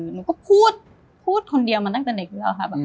หนูก็พูดพูดคนเดียวมาตั้งแต่เด็กแล้วค่ะ